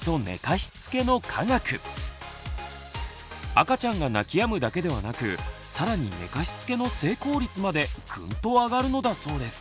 赤ちゃんが泣きやむだけではなく更に寝かしつけの成功率までぐんと上がるのだそうです。